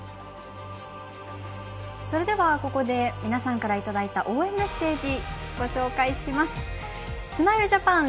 それでは、ここで皆さんからいただいた応援メッセージ、ご紹介します。